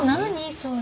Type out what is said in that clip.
それ。